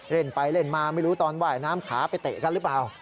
เล่นไปเล่นมาไม่รู้ตอนว่ายน้ำขาไปเตะกันหรือเปล่า